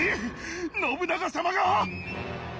信長様が？